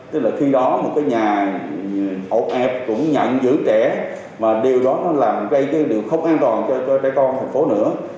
tức là khi đó một cái nhà hậu ẹp cũng nhận giữ trẻ mà điều đó nó làm gây cái điều không an toàn cho trẻ con thành phố nữa